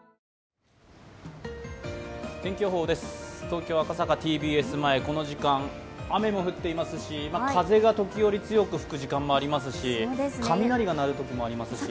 東京・赤坂ＴＢＳ前、この時間、雨も降っていますし、風が時折強く吹く時間もありますし雷が鳴るときもありますし。